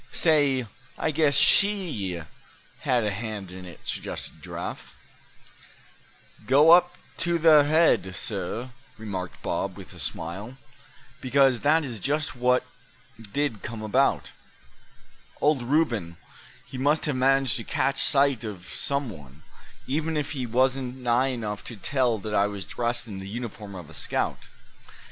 "Say, I guess she had a hand in it!" suggested Giraffe. "Go up to the head, suh," remarked Bob, with a smile; "because that is just what did come about. Old Reuben, he must have managed to catch sight of some one, even if he wasn't nigh enough to tell that I was dressed in the uniform of a scout.